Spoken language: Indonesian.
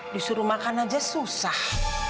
disuruh makan aja susah